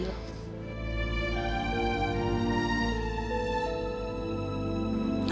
aku selalu menyusahkan fadil